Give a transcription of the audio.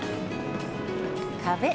壁。